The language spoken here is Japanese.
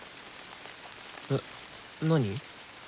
えっ何？